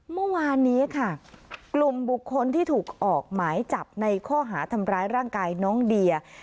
เมื่อวานนี้ค่ะกลุ่มบุคคลที่ถูกออกหมายจับในข้อหาทำร้ายร่างกายน้องเดีย